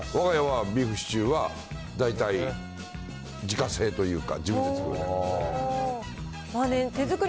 わが家はビーフシチューは大体自家製というか、自分で作る。